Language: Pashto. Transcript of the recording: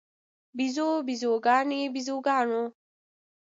بیزو، بیزوګانې، بیزوګانو